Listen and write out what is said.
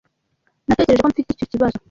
Natekereje ko mfite icyo kibazo.